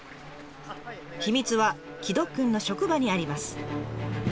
秘密は城戸くんの職場にあります。